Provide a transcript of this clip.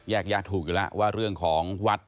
ยาถูกอยู่แล้วว่าเรื่องของวัด